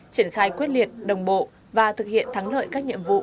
triển khai quyết liệt đồng bộ và thực hiện thắng lợi các nhiệm vụ